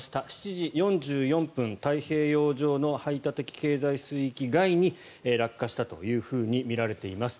７時４４分太平洋上の排他的経済水域外に落下したというふうにみられています。